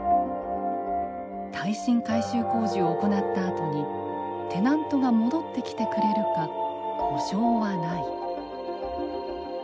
耐震改修工事を行ったあとにテナントが戻ってきてくれるか保証はない。